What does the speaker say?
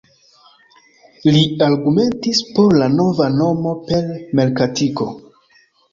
Li argumentis por la nova nomo per merkatiko.